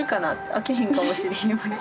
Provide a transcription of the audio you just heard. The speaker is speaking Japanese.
開けへんかもしれへんわうち。